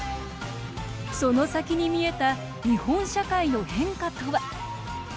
その先に見えた日本社会の変化とは。